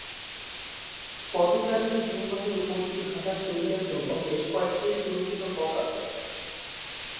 পথচারীদের হিমবাহের উপর দিয়ে হাঁটার সুবিধার জন্য বেশ কয়েকটি সুরক্ষিত পথ আছে।